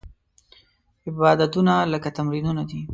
عبادتونه لکه تمرینونه دي.